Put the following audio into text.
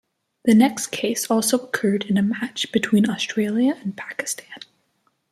The next case also occurred in a match between Australia and Pakistan.